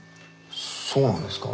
そうなんですか？